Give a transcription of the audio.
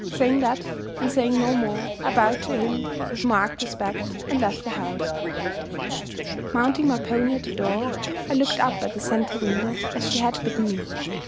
Saying that, and saying no more, I bowed to him with marked respect, and left the house. Mounting my pony at the door, I looked up at the center window, as she had bidden me.